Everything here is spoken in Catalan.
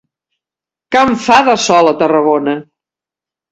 Que en fa, de sol, a Tarragona!